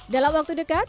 dalam waktu dekat